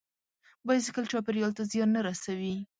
بایسکل چاپېریال ته زیان نه رسوي.